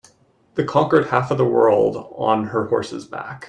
The conquered half of the world on her horse's back.